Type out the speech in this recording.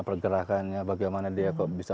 pergerakannya bagaimana dia kok bisa